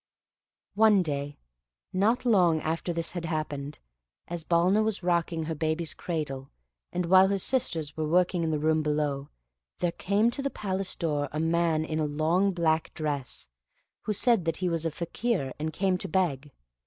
One day, not long after this had happened, as Balna was rocking her baby's cradle, and while her sisters were working in the room below, there came to the palace door a man in a long black dress, who said that he was a Fakir, and came to beg.